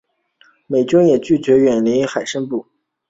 美军也拒绝远离海参崴。